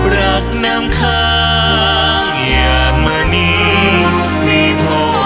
รักน้ำค้างอยากมานี่ไม่โทษทน